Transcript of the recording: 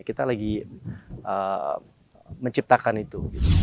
kita lagi menciptakan itu